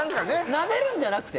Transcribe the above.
なでるんじゃなくて？